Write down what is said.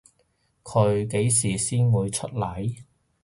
佢幾時先會出嚟？